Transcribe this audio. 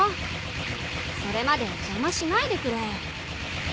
それまで邪魔しないでくれ。